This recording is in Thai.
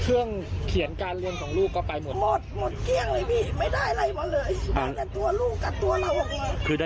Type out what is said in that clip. เครื่องเขียนการเรียนของลูกก็ไปหมด